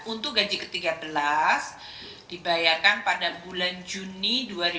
untuk gaji ke tiga belas dibayarkan pada bulan juni dua ribu dua puluh